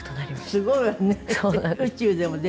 すごいわね。